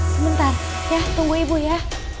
sebentar tunggu ibu ya